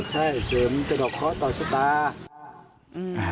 ใช่เสริมสะดอกเคาะต่อชะตา